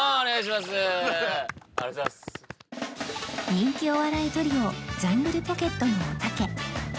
人気お笑いトリオジャングルポケットのおたけ